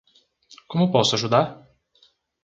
Como posso ajudar?